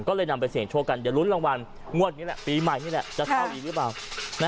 ก็เลยนำไปเศียงโชว์กันทุกวันนี้แหละปีใหม่จะเข้าอีกรึเปล่า